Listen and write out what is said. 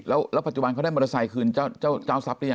แล้วปัจจุบันเขาได้มอเตอร์ไซค์คืนเจ้าทรัพย์หรือยัง